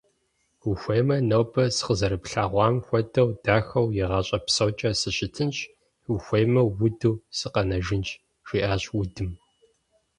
Ухуеймэ, нобэ сыкъызэрыплъэгъуам хуэдэу дахэу игъащӀэ псокӀэ сыщытынщ, ухуеймэ, уду сыкъэнэжынщ, - жиӏащ Удым.